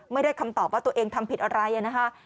ไม่ได้คำตอบว่าตัวเองทำผิดอะไรนะคะ